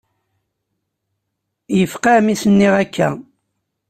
Yefqeɛ mi s-nniɣ akka.